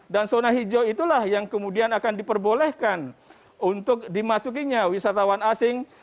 dan zona hijau itulah yang kemudian akan diperbolehkan untuk dimasukinya wisatawan asing